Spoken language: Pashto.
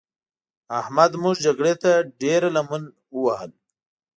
احمد موږ جګړې ته ډېره لمن ووهل.